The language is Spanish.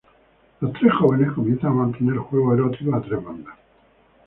Los tres jóvenes comienzan a mantener juegos eróticos a tres bandas.